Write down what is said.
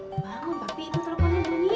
hei bangun papi teleponnya nyanyi